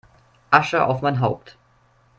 Asche auf mein Haupt